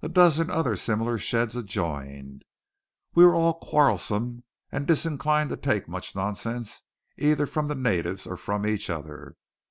A dozen other similar sheds adjoined. We were all quarrelsome and disinclined to take much nonsense either from the natives or from each other.